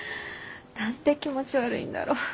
何で気持ち悪いんだろう？